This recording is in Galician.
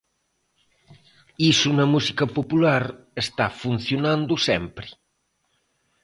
Iso na música popular está funcionando sempre.